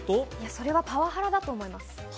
それはパワハラだと思います。